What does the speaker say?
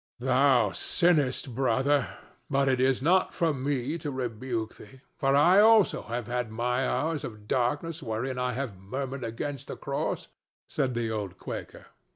"Thou sinnest, brother, but it is not for me to rebuke thee, for I also have had my hours of darkness wherein I have murmured against the cross," said the old Quaker.